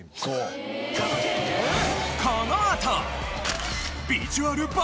このあと！